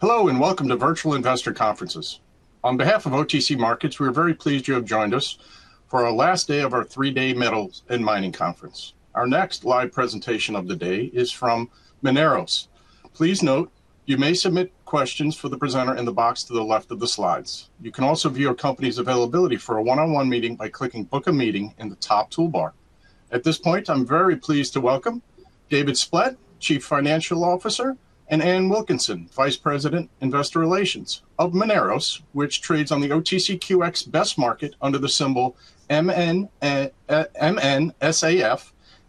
Hello and welcome to Virtual Investor Conferences. On behalf of OTC Markets, we are very pleased you have joined us for our last day of our three-day metals and mining conference. Our next live presentation of the day is from Mineros. Please note, you may submit questions for the presenter in the box to the left of the slides. You can also view a company's availability for a one-on-one meeting by clicking "Book a Meeting" in the top toolbar. At this point, I'm very pleased to welcome David Splett, Chief Financial Officer, and Ann Wilkinson, Vice President of Investor Relations of Mineros, which trades on the OTCQX Best Market under the symbol MNSAF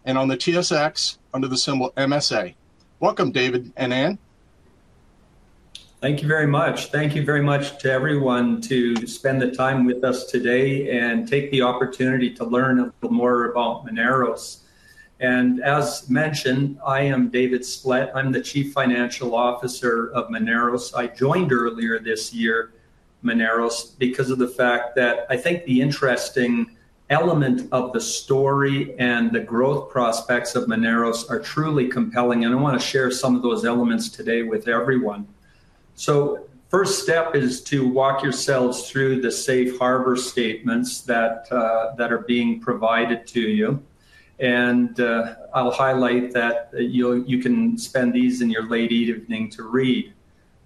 and on the TSX under the symbol MSA. Welcome, David and Ann. Thank you very much. Thank you very much to everyone who spent the time with us today and took the opportunity to learn a little more about Mineros. As mentioned, I am David Splett, I'm the Chief Financial Officer of Mineros. I joined earlier this year, Mineros, because of the fact that I think the interesting element of the story and the growth prospects of Mineros are truly compelling, and I want to share some of those elements today with everyone. The first step is to walk yourselves through the safe harbor statements that are being provided to you. I'll highlight that you can spend these in your late evening to read.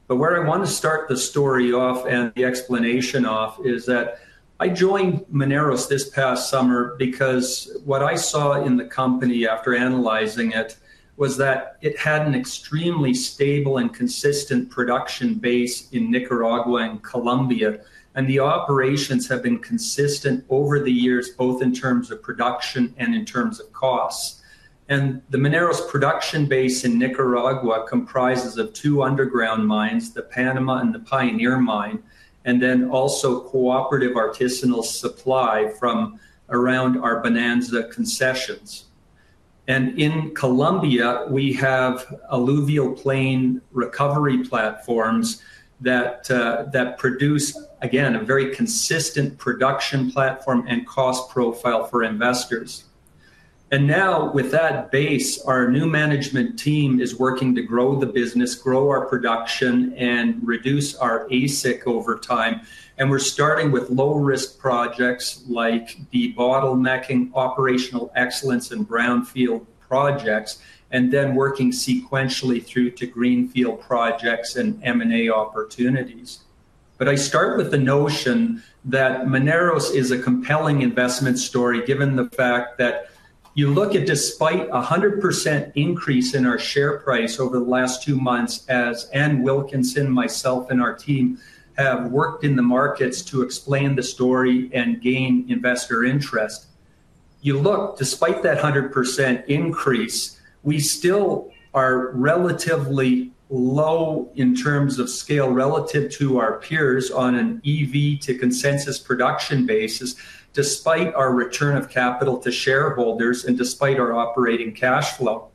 Where I want to start the story off and the explanation off is that I joined Mineros this past summer because what I saw in the company after analyzing it was that it had an extremely stable and consistent production base in Nicaragua and Colombia, and the operations have been consistent over the years, both in terms of production and in terms of costs. The Mineros production base in Nicaragua comprises two underground mines, the Panama and the Pioneer Mine, and also cooperative artisanal supply from around our Bonanza concessions. In Colombia, we have alluvial plain recovery platforms that produce, again, a very consistent production platform and cost profile for investors. With that base, our new management team is working to grow the business, grow our production, and reduce our AISC over time. We're starting with low-risk projects like the de-bottlenecking operational excellence in brownfield projects and then working sequentially through to greenfield projects and M&A opportunities. I start with the notion Mineros is a compelling investment story given the fact that you look at, despite a 100% increase in our share price over the last two months, as Ann Wilkinson, myself, and our team have worked in the markets to expand the story and gain investor interest. You look, despite that 100% increase, we still are relatively low in terms of scale relative to our peers on an EV to consensus production basis, despite our return of capital to shareholders and despite our operating cash flow.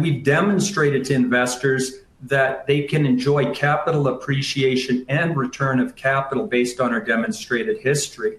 We've demonstrated to investors that they can enjoy capital appreciation and return of capital based on our demonstrated history.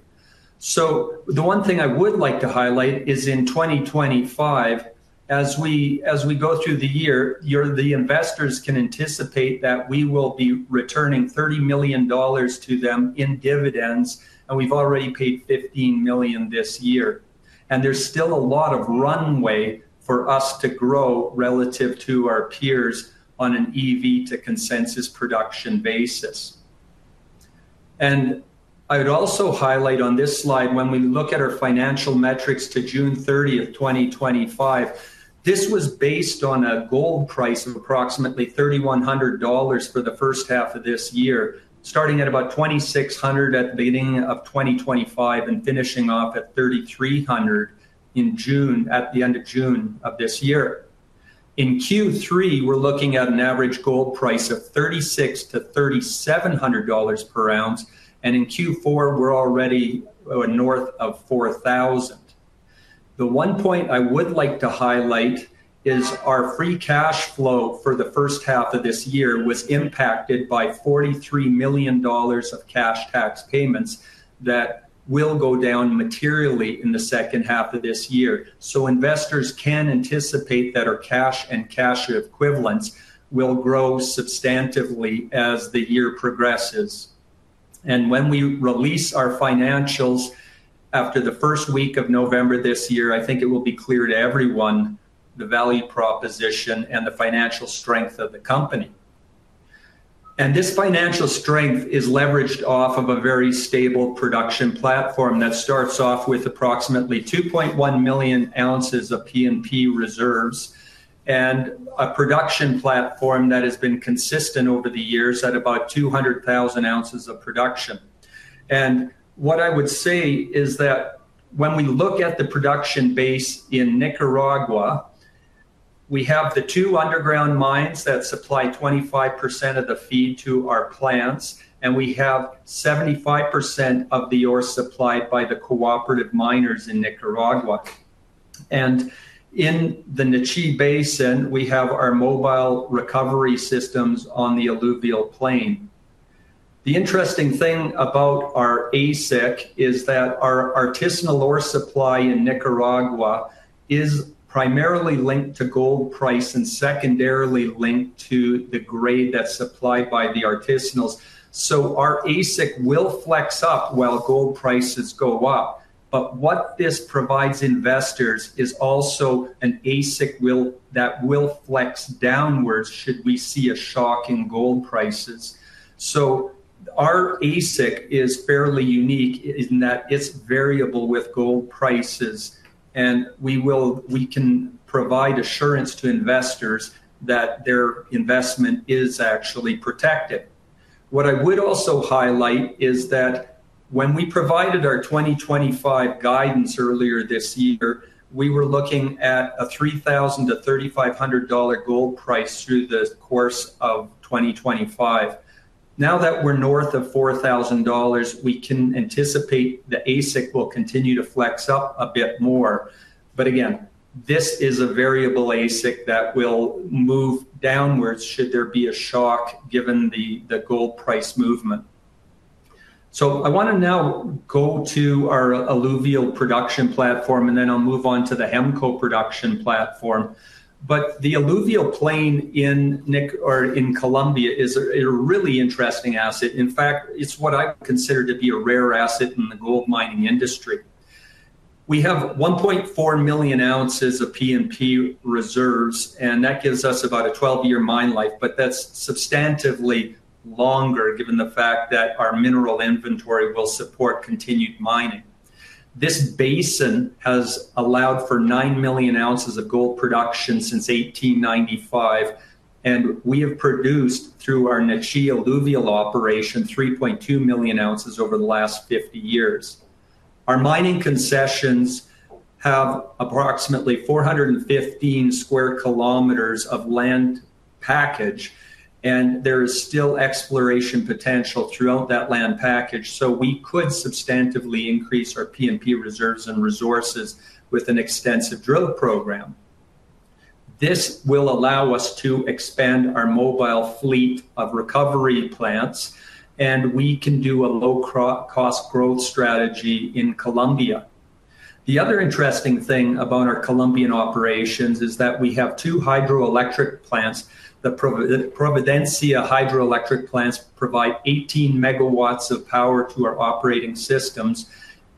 The one thing I would like to highlight is in 2025, as we go through the year, investors can anticipate that we will be returning $30 million to them in dividends, and we've already paid $15 million this year. There's still a lot of runway for us to grow relative to our peers on an EV to consensus production basis. I would also highlight on this slide, when we look at our financial metrics to June 30, 2025, this was based on a gold price of approximately $3,100 for the first half of this year, starting at about $2,600 at the beginning of 2025 and finishing off at $3,300 at the end of June of this year. In Q3, we're looking at an average gold price of $3,600-$3,700 per ounce, and in Q4, we're already north of $4,000. The one point I would like to highlight is our free cash flow for the first half of this year was impacted by $43 million of cash tax payments that will go down materially in the second half of this year. Investors can anticipate that our cash and cash equivalents will grow substantively as the year progresses. When we release our financials after the first week of November this year, I think it will be clear to everyone the value proposition and the financial strength of the company. This financial strength is leveraged off of a very stable production platform that starts off with approximately 2.1 million oz of PNP reserves and a production platform that has been consistent over the years at about 200,000 oz of production. What I would say is that when we look at the production base in Nicaragua, we have the two underground mines that supply 25% of the feed to our plants, and we have 75% of the ore supplied by the cooperative miners in Nicaragua. In the Nechí Basin, we have our mobile recovery systems on the alluvial plain. The interesting thing about our AISC is that our artisanal ore supply in Nicaragua is primarily linked to gold price and secondarily linked to the grade that's supplied by the artisanals. Our AISC will flex up while gold prices go up. What this provides investors is also an AISC that will flex downwards should we see a shock in gold prices. Our AISC are fairly unique in that they're variable with gold prices, and we can provide assurance to investors that their investment is actually protected. What I would also highlight is that when we provided our 2025 guidance earlier this year, we were looking at a $3,000-$3,500 gold price through the course of 2025. Now that we're north of $4,000, we can anticipate the AISC will continue to flex up a bit more. Again, this is a variable AISC that will move downwards should there be a shock given the gold price movement. I want to now go to our alluvial production platform, and then I'll move on to the Hemco production platform. The alluvial plain in Colombia is a really interesting asset. In fact, it's what I consider to be a rare asset in the gold mining industry. We have 1.4 million oz of PNP reserves, and that gives us about a 12-year mine life, but that's substantively longer given the fact that our mineral inventory will support continued mining. This basin has allowed for 9 million oz of gold production since 1895, and we have produced through our Nechí alluvial operation 3.2 million oz over the last 50 years. Our mining concessions have approximately 415 sq km of land package, and there is still exploration potential throughout that land package. We could substantively increase our PNP reserves and resources with an extensive drill program. This will allow us to expand our mobile fleet of recovery plants, and we can do a low-cost growth strategy in Colombia. The other interesting thing about our Colombian operations is that we have two hydroelectric plants. The Providencia hydroelectric plants provide 18 MW of power to our operating systems,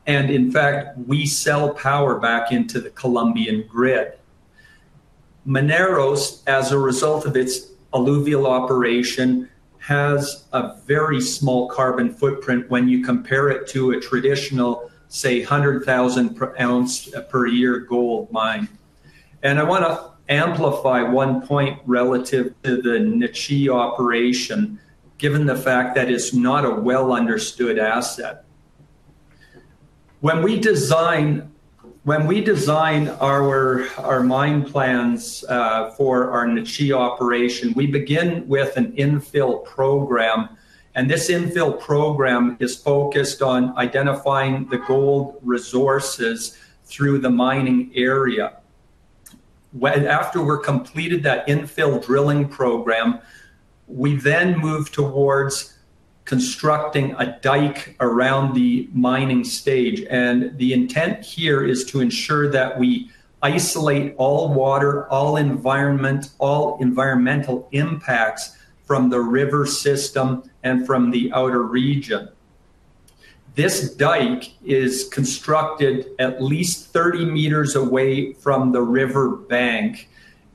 and in fact, we sell power back into the Colombian grid. Mineros, as a result of its alluvial operation, has a very small carbon footprint when you compare it to a traditional, say, 100,000 oz per year gold mine. I want to amplify one point relative to the Nechí operation, given the fact that it's not a well-understood asset. When we design our mine plans for our Nechí operation, we begin with an infill program, and this infill program is focused on identifying the gold resources through the mining area. After we've completed that infill drilling program, we then move towards constructing a dike around the mining stage, and the intent here is to ensure that we isolate all water, all environmental impacts from the river system and from the outer region. This dike is constructed at least 30 meters away from the river bank,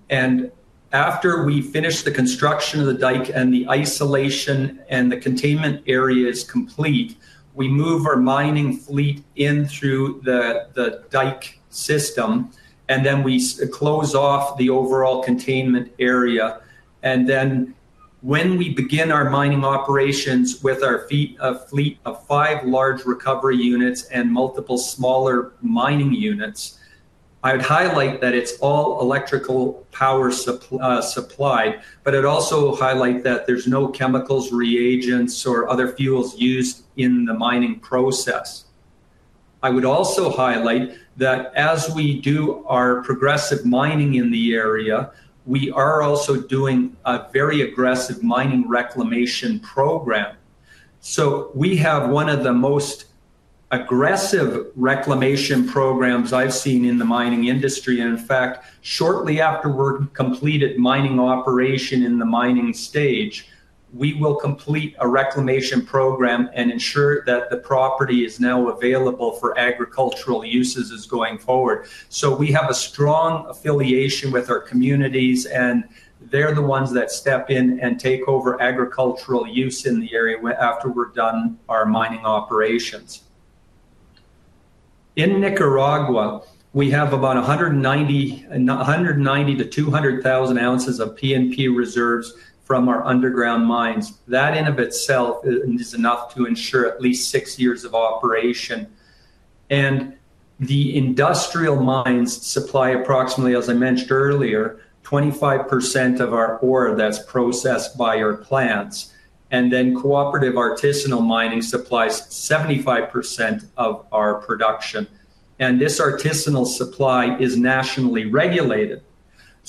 and after we finish the construction of the dike and the isolation and the containment area is complete, we move our mining fleet in through the dike system, and then we close off the overall containment area. When we begin our mining operations with our fleet of five large recovery units and multiple smaller mining units, I would highlight that it's all electrical power supplied. I would also highlight that there's no chemicals, reagents, or other fuels used in the mining process. I would also highlight that as we do our progressive mining in the area, we are also doing a very aggressive mining reclamation program. We have one of the most aggressive reclamation programs I've seen in the mining industry. In fact, shortly after we've completed mining operation in the mining stage, we will complete a reclamation program and ensure that the property is now available for agricultural uses going forward. We have a strong affiliation with our communities, and they're the ones that step in and take over agricultural use in the area after we've done our mining operations. In Nicaragua, we have about 190,000 oz-200,000 oz of PNP reserves from our underground mines. That in and of itself is enough to ensure at least six years of operation. The industrial mines supply approximately, as I mentioned earlier, 25% of our ore that's processed by our plants, and then cooperative artisanal mining supplies 75% of our production. This artisanal supply is nationally regulated.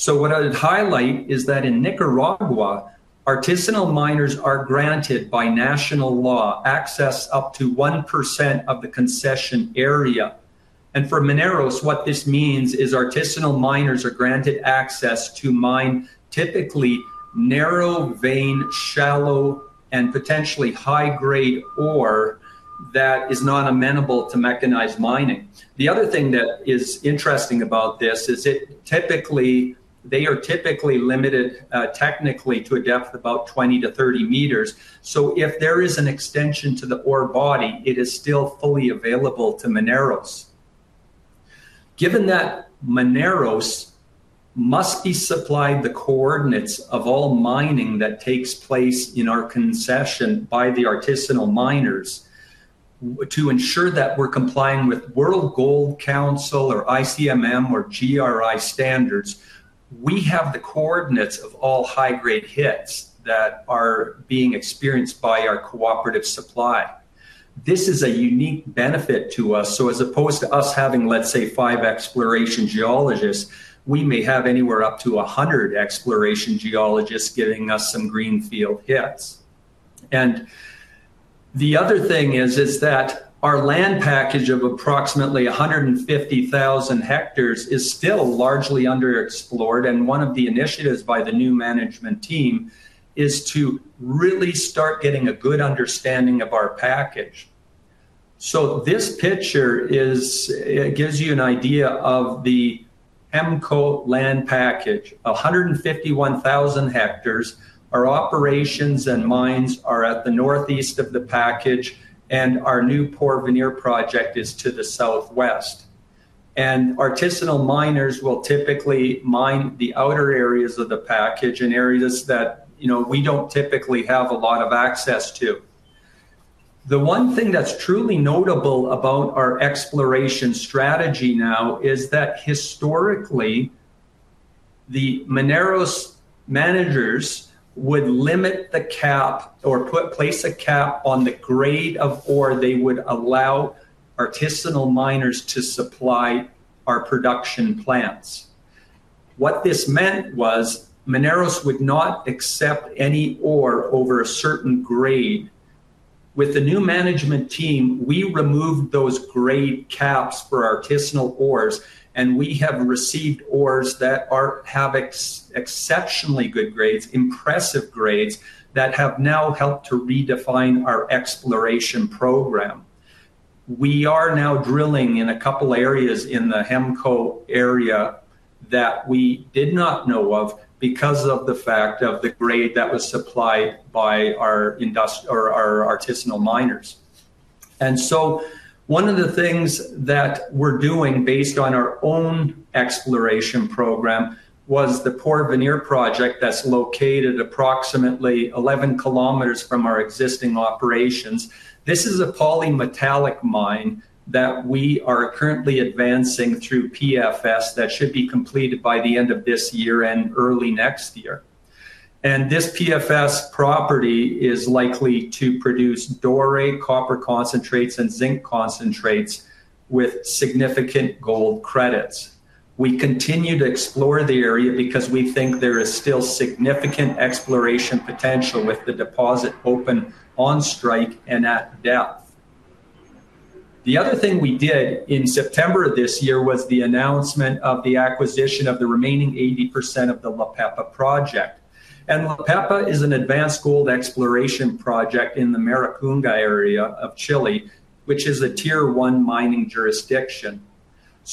What I would highlight is that in Nicaragua, artisanal miners are granted by national law access up to 1% of the concession area. For Mineros, what this means is artisanal miners are granted access to mine, typically narrow vein, shallow, and potentially high-grade ore that is not amenable to mechanized mining. The other thing that is interesting about this is that they are typically limited technically to a depth of about 20 meters-30 meters. If there is an extension to the ore body, it is still fully Mineros given Mineros must be supplying the coordinates of all mining that takes place in our concession by the artisanal miners to ensure that we're complying with World Gold Council or ICMM or GRI standards, we have the coordinates of all high-grade hits that are being experienced by our cooperative supply. This is a unique benefit to us. As opposed to us having, let's say, five exploration geologists, we may have anywhere up to 100 exploration geologists giving us some greenfield hits. The other thing is that our land package of approximately 150,000 hectares is still largely underexplored, and one of the initiatives by the new management team is to really start getting a good understanding of our package. This picture gives you an idea of the Hemco land package, 151,000 hectares. Our operations and mines are at the northeast of the package, and our new Porvenir project is to the southwest. Artisanal miners will typically mine the outer areas of the package in areas that we don't typically have a lot of access to. One thing that's truly notable about our exploration strategy now is that historically, Mineros managers would limit the cap or place a cap on the grade of ore they would allow artisanal miners to supply our production plants. What this meant Mineros would not accept any ore over a certain grade. With the new management team, we removed those grade caps for artisanal ores, and we have received ores that have exceptionally good grades, impressive grades that have now helped to redefine our exploration program. We are now drilling in a couple of areas in the Hemco area that we did not know of because of the fact of the grade that was supplied by our artisanal miners. One of the things that we're doing based on our own exploration program was the Porvenir project that's located approximately 11 kilometers from our existing operations. This is a polymetallic mine that we are currently advancing through PFS that should be completed by the end of this year and early next year. This PFS property is likely to produce doré, copper concentrates, and zinc concentrates with significant gold credits. We continue to explore the area because we think there is still significant exploration potential with the deposit open on strike and at depth. The other thing we did in September of this year was the announcement of the acquisition of the remaining 80% of the La Pepa project. La Pepa is an advanced gold exploration project in the Maricunga area of Chile, which is a Tier 1 mining jurisdiction.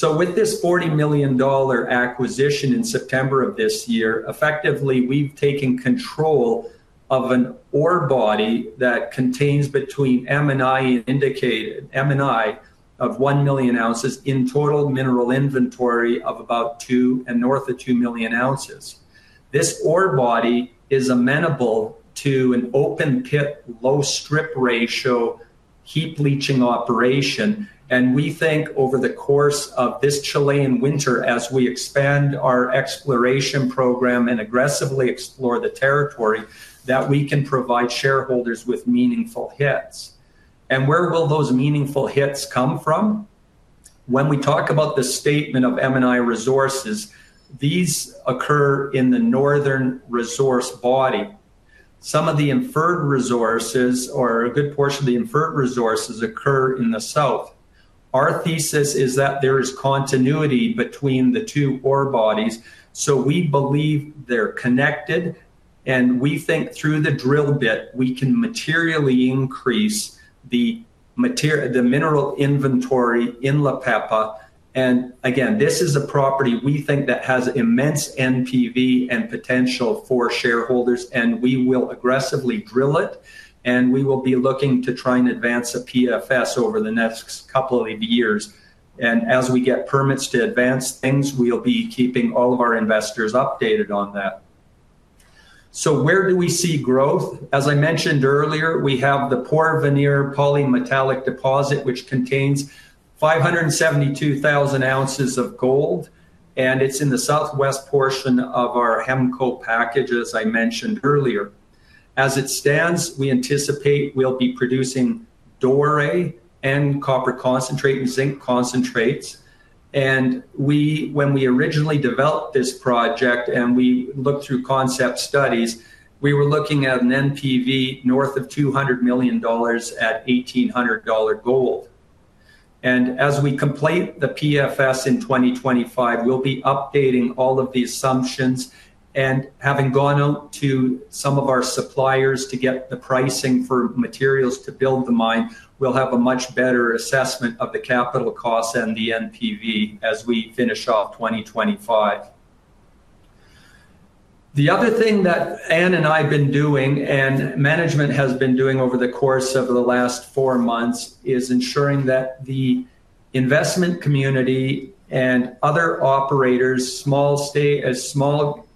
With this $40 million acquisition in September of this year, effectively we've taken control of an ore body that contains between M&I of 1 million oz in total mineral inventory of about 2 million oz and north of 2 million oz. This ore body is amenable to an open pit, low strip ratio, heap leaching operation, and we think over the course of this Chilean winter, as we expand our exploration program and aggressively explore the territory, that we can provide shareholders with meaningful hits. Where will those meaningful hits come from? When we talk about the statement of M&I resources, these occur in the northern resource body. Some of the inferred resources or a good portion of the inferred resources occur in the south. Our thesis is that there is continuity between the two ore bodies, so we believe they're connected, and we think through the drill bit, we can materially increase the mineral inventory in La Pepa. This is a property we think that has immense NPV and potential for shareholders, and we will aggressively drill it, and we will be looking to try and advance a PFS over the next couple of years. As we get permits to advance things, we'll be keeping all of our investors updated on that. Where do we see growth? As I mentioned earlier, we have the Porvenir polymetallic deposit, which contains 572,000 oz of gold, and it's in the southwest portion of our Hemco package, as I mentioned earlier. As it stands, we anticipate we'll be producing doré and copper concentrate and zinc concentrates. When we originally developed this project and we looked through concept studies, we were looking at an NPV north of $200 million at $1,800 gold. As we complete the PFS in 2025, we'll be updating all of the assumptions, and having gone out to some of our suppliers to get the pricing for materials to build the mine, we'll have a much better assessment of the capital costs and the NPV as we finish off 2025. The other thing that Ann and I have been doing and management has been doing over the course of the last four months is ensuring that the investment community and other operators, small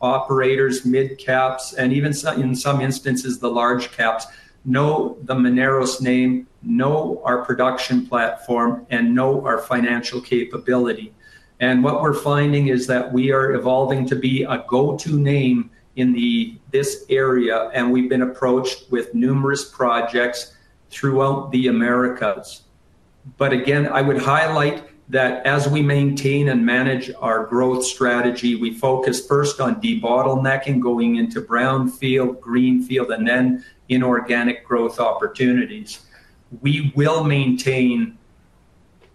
operators, mid-caps, and even in some instances the large caps, know Mineros name, know our production platform, and know our financial capability. What we're finding is that we are evolving to be a go-to name in this area, and we've been approached with numerous projects throughout the Americas. I would highlight that as we maintain and manage our growth strategy, we focus first on de-bottlenecking, going into brownfield, greenfield, and then inorganic growth opportunities. We will maintain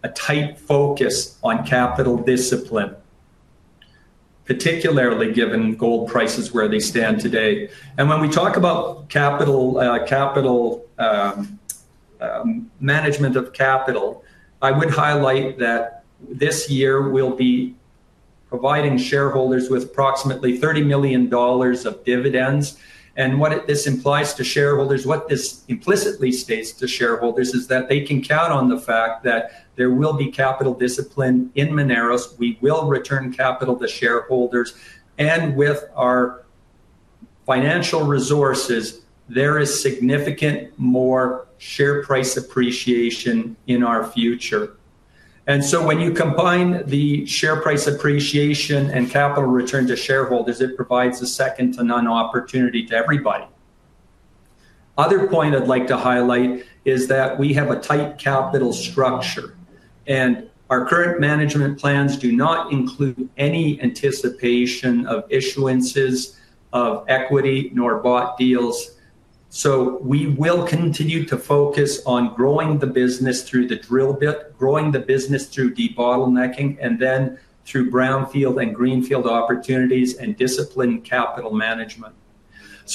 a tight focus on capital discipline, particularly given gold prices where they stand today. When we talk about capital management of capital, I would highlight that this year we'll be providing shareholders with approximately $30 million of dividends. What this implies to shareholders, what this implicitly states to shareholders, is that they can count on the fact that there will be capital discipline in Mineros We will return capital to shareholders, and with our financial resources, there is significant more share price appreciation in our future. When you combine the share price appreciation and capital return to shareholders, it provides a second-to-none opportunity to everybody. The other point I'd like to highlight is that we have a tight capital structure, and our current management plans do not include any anticipation of issuances of equity nor bought deals. We will continue to focus on growing the business through the drill bit, growing the business through de-bottlenecking, and then through brownfield and greenfield opportunities and disciplined capital management.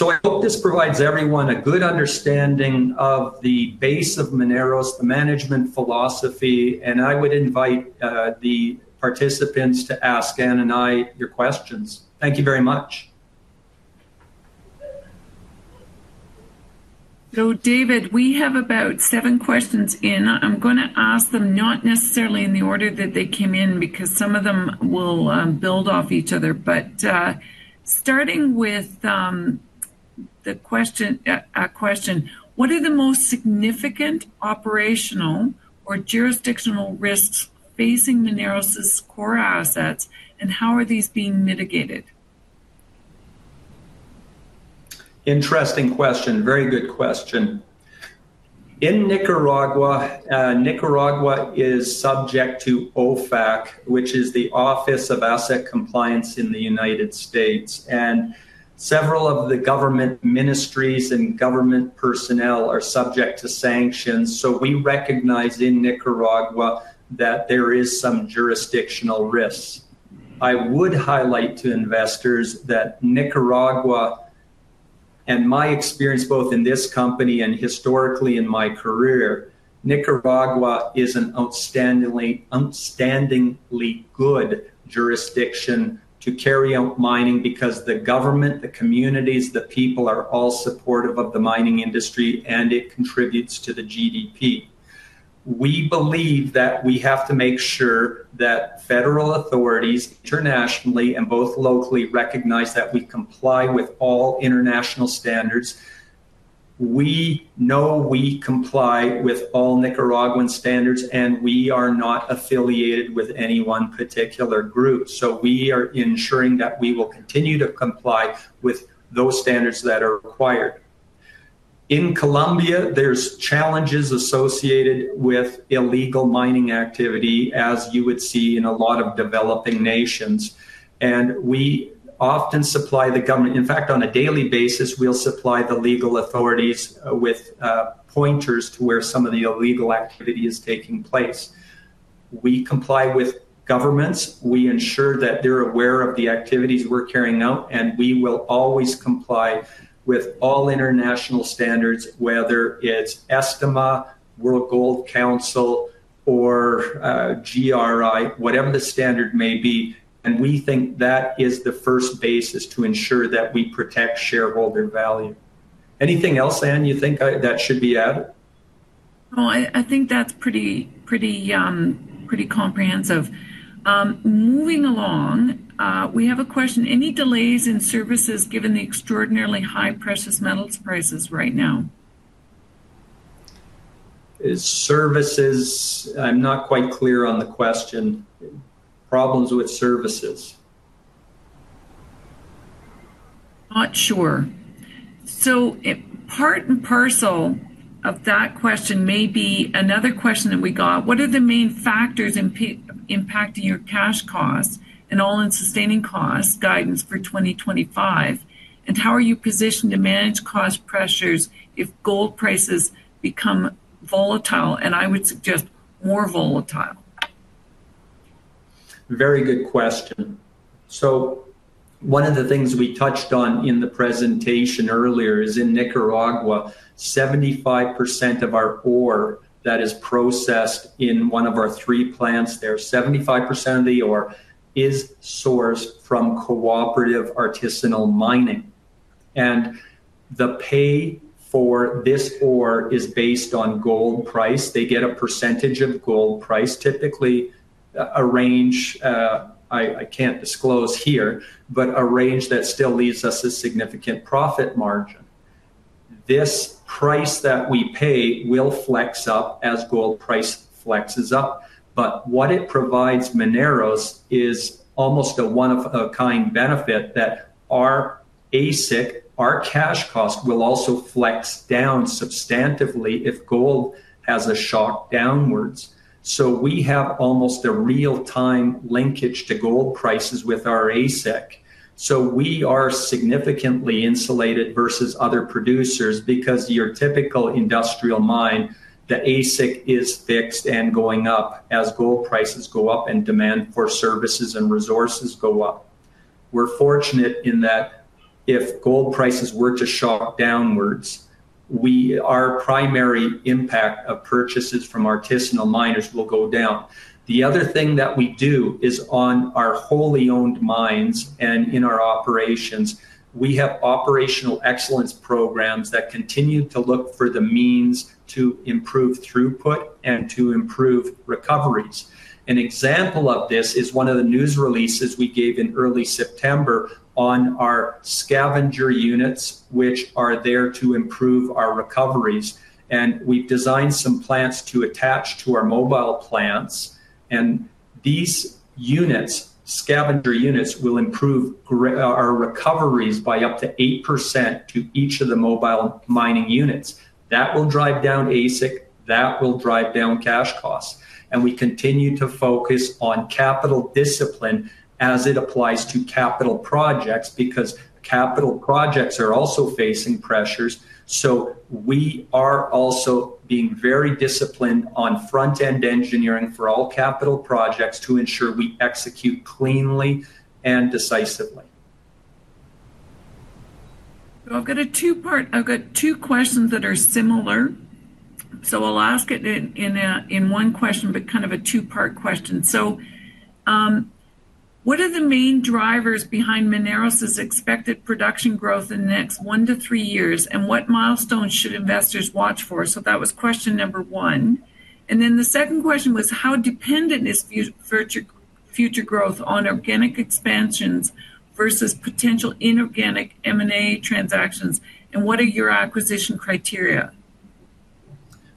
I hope this provides everyone a good understanding of the base of Mineros, the management philosophy, and I would invite the participants to ask Ann and I your questions. Thank you very much. David, we have about seven questions in. I'm going to ask them not necessarily in the order that they came in because some of them will build off each other, but starting with a question, what are the most significant operational or jurisdictional risks facing Mineros' core assets, and how are these being mitigated? Interesting question. Very good question. In Nicaragua, Nicaragua is subject to OFAC, which is the Office of Foreign Assets Control in the United States, and several of the government ministries and government personnel are subject to sanctions. We recognize in Nicaragua that there are some jurisdictional risks. I would highlight to investors that Nicaragua, in my experience both in this company and historically in my career, Nicaragua is an outstandingly good jurisdiction to carry out mining because the government, the communities, the people are all supportive of the mining industry, and it contributes to the GDP. We believe that we have to make sure that federal authorities internationally and both locally recognize that we comply with all international standards. We know we comply with all Nicaraguan standards, and we are not affiliated with any one particular group. We are ensuring that we will continue to comply with those standards that are required. In Colombia, there are challenges associated with illegal mining activity, as you would see in a lot of developing nations, and we often supply the government. In fact, on a daily basis, we'll supply the legal authorities with pointers to where some of the illegal activity is taking place. We comply with governments. We ensure that they're aware of the activities we're carrying out, and we will always comply with all international standards, whether it's ESTMA, World Gold Council, or GRI, whatever the standard may be. We think that is the first basis to ensure that we protect shareholder value. Anything else, Ann, you think that should be added? No, I think that's pretty comprehensive. Moving along, we have a question. Any delays in services given the extraordinarily high precious metals prices right now? Services, I'm not quite clear on the question. Problems with services? Part and parcel of that question may be another question that we got. What are the main factors impacting your cash costs and all-in sustaining cost guidance for 2025, and how are you positioned to manage cost pressures if gold prices become volatile, and I would suggest more volatile? Very good question. One of the things we touched on in the presentation earlier is in Nicaragua, 75% of our ore that is processed in one of our three plants there, 75% of the ore is sourced from cooperative artisanal mining. The pay for this ore is based on gold price. They get a percentage of gold price, typically a range I can't disclose here, but a range that still leaves us a significant profit margin. This price that we pay will flex up as gold price flexes up, but what it Mineros is almost a one-of-a-kind benefit that our AISC, our cash cost, will also flex down substantively if gold has a shock downwards. We have almost a real-time linkage to gold prices with our AISC. We are significantly insulated versus other producers because your typical industrial mine, the AISC is fixed and going up as gold prices go up and demand for services and resources go up. We're fortunate in that if gold prices were to shock downwards, our primary impact of purchases from artisanal miners will go down. The other thing that we do is on our wholly owned mines and in our operations, we have operational excellence programs that continue to look for the means to improve throughput and to improve recoveries. An example of this is one of the news releases we gave in early September on our scavenger units, which are there to improve our recoveries. We've designed some plants to attach to our mobile plants, and these units, scavenger units, will improve our recoveries by up to 8% to each of the mobile mining units. That will drive down AISC, that will drive down cash costs, and we continue to focus on capital discipline as it applies to capital projects because capital projects are also facing pressures. We are also being very disciplined on front-end engineering for all capital projects to ensure we execute cleanly and decisively. I've got two questions that are similar. I'll ask it in one question, but kind of a two-part question. What are the main drivers behind Mineros' expected production growth in the next one to three years, and what milestones should investors watch for? That was question number one. The second question was, how dependent is future growth on organic expansions versus potential inorganic M&A transactions, and what are your acquisition criteria?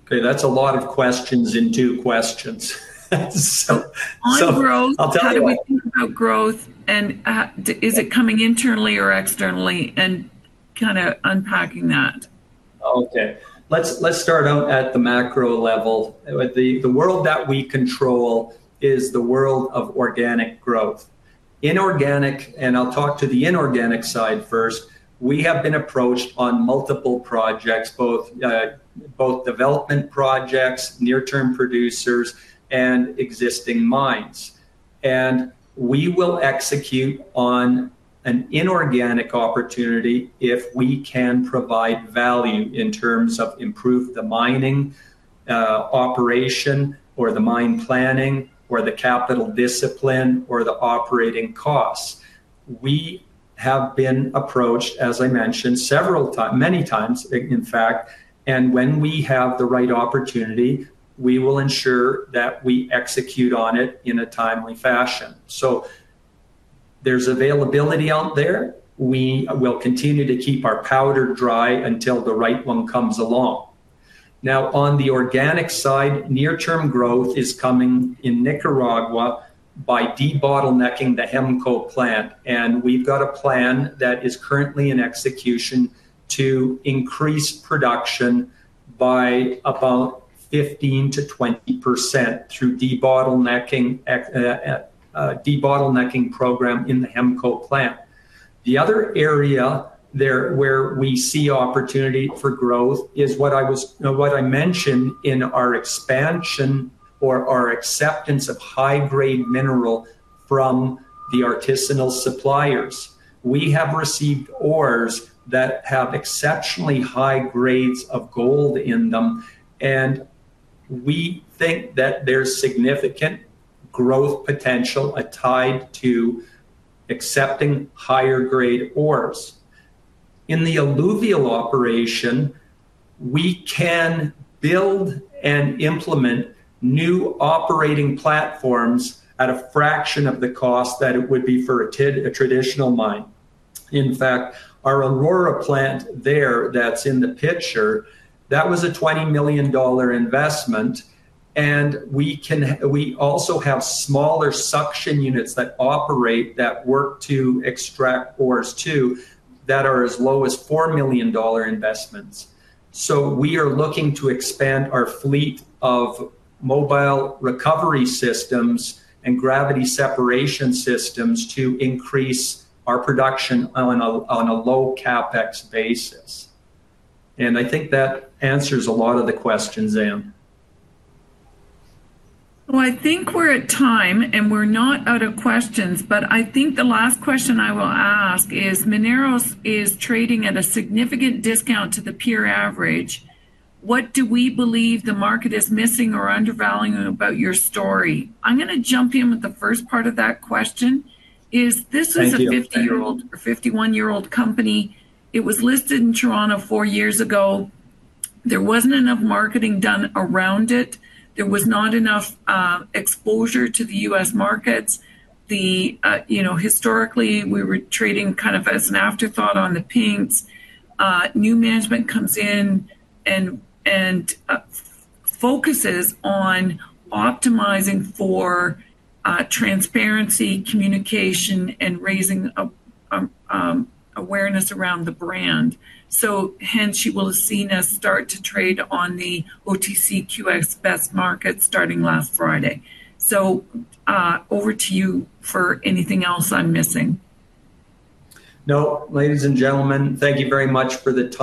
Okay, that's a lot of questions in two questions. On growth, how do we think about growth, and is it coming internally or externally, and kind of unpacking that? Okay, let's start out at the macro level. The world that we control is the world of organic growth. Inorganic, and I'll talk to the inorganic side first, we have been approached on multiple projects, both development projects, near-term producers, and existing mines. We will execute on an inorganic opportunity if we can provide value in terms of improving the mining operation or the mine planning or the capital discipline or the operating costs. We have been approached, as I mentioned, several times, many times, in fact, and when we have the right opportunity, we will ensure that we execute on it in a timely fashion. There's availability out there. We will continue to keep our powder dry until the right one comes along. Now, on the organic side, near-term growth is coming in Nicaragua by de-bottlenecking the Hemco plant, and we've got a plan that is currently in execution to increase production by about 15%-20% through the de-bottlenecking program in the Hemco plant. The other area where we see opportunity for growth is what I mentioned in our expansion or our acceptance of high-grade mineral from the artisanal suppliers. We have received ores that have exceptionally high grades of gold in them, and we think that there's significant growth potential tied to accepting higher-grade ores. In the alluvial operation, we can build and implement new operating platforms at a fraction of the cost that it would be for a traditional mine. In fact, our Aurora plant there that's in the picture, that was a $20 million investment, and we also have smaller suction units that operate that work to extract ores too that are as low as $4 million investments. We are looking to expand our fleet of mobile recovery systems and gravity separation systems to increase our production on a low CapEx basis. I think that answers a lot of the questions, Ann. I think we're at time, and we're not out of questions, but I think the last question I will ask Mineros is trading at a significant discount to the peer average. What do we believe the market is missing or undervaluing about your story? I'm going to jump in with the first part of that question. This is a 50-year-old or 51-year-old company. It was listed in Toronto four years ago. There wasn't enough marketing done around it. There was not enough exposure to the U.S. markets. Historically, we were trading kind of as an afterthought on the pink. New management comes in and focuses on optimizing for transparency, communication, and raising awareness around the brand. Hence, you will have seen us start to trade on the OTCQX Best Market starting last Friday. Over to you for anything else I'm missing. Ladies and gentlemen, thank you very much for the.